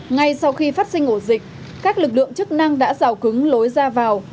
ngay sau khi phát sinh ổ dịch các lực lượng chức năng đã rào cứng lối ra vào